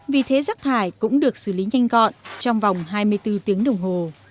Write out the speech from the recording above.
vì thế rác thải cũng được xử lý nhanh gọn trong vòng hai mươi bốn tiếng đồng hồ